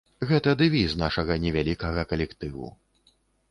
Гэта дэвіз нашага невялікага калектыву.